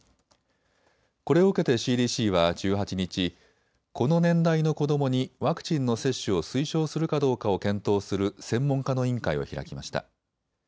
これを受けてＣＤＣは１８日、この年代の子どもにワクチンの接種を推奨するかどうかを検討する専門家の委員会を開きました。